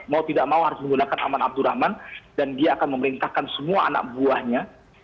mau tidak mau harus menggunakan aman abdurrahman dan dia akan memerintahkan semua anak buahnya